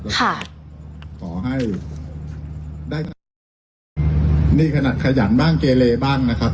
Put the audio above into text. ค่ะขอให้ได้นี่ขนาดขยันบ้างเกเลบ้างนะครับ